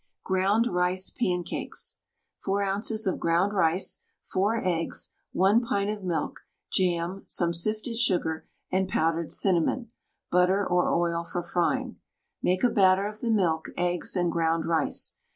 GROUND RICE PANCAKES. 4 oz. of ground rice, 4 eggs, 1 pint of milk, jam, some sifted sugar, and powdered cinnamon; butter or oil for frying. Make a batter of the milk, eggs, and ground rice.